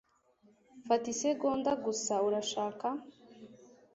Fata isegonda gusa, urashaka?